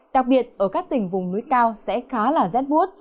đặc biệt ở các tỉnh vùng núi cao sẽ khá là rét bút